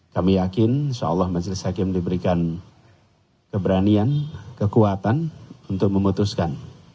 kami yakin insya allah majelis hakim diberikan keberanian kekuatan untuk memutuskan